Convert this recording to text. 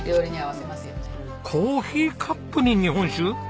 コーヒーカップに日本酒？